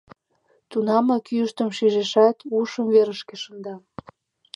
Тунамак йӱштым шижешат, ушым верышке шында.